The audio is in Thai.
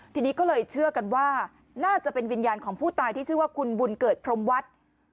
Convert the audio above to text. ทีนี้ก็เลยเชื่อกันว่าน่าจะเป็นวิญญาณของผู้ตายที่ชื่อว่าคุณบุญเกิดพรมวัฒน์